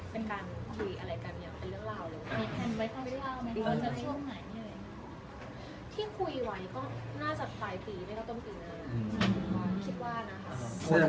แสดงว่าชาติก็มีภาพในฝั่งบัวในฝันของเราแล้วว่าต้องเป็นแบบไหนหรือต้องออกมาเป็นยังไง